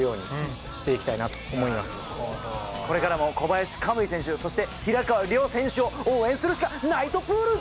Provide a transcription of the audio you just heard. これからも小林可夢偉選手そして平川亮選手を応援するしかナイトプール！